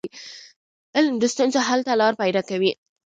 علم د ستونزو حل ته لار پيداکوي.